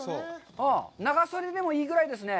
長袖でもいいぐらいですね。